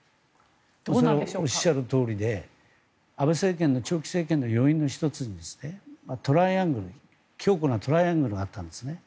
おっしゃるとおりで安倍政権の長期政権の要因の一つに強固なトライアングルがあったんですね。